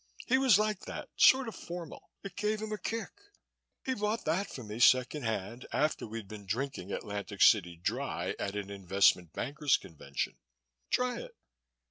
He was like that sort of formal it gave him a kick. He bought that for me second hand after we'd been drinking Atlantic City dry at an investment bankers convention. Try it."